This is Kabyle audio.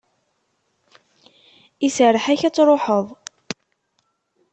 Iserreḥ-ak ad truḥeḍ.